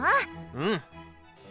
うん。